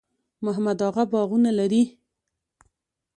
محمد اغه باغونه لري؟